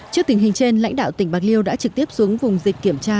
trước tình hình trên lãnh đạo tỉnh bạc liêu đã trực tiếp xuống vùng dịch kiểm tra